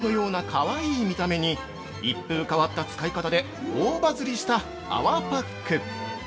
◆哺乳瓶のようなかわいい見た目に一風変わった使い方で大バズりした泡パック。